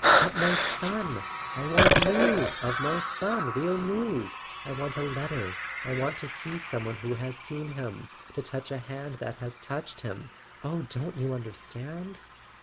"But my son! I want news of my son, real news; I want a letter; I want to see some one who has seen him ! To touch a hand that has touched him ! Oh, don't you understand